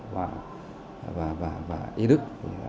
và y đức